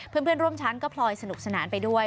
เพื่อนร่วมชั้นก็พลอยสนุกสนานไปด้วย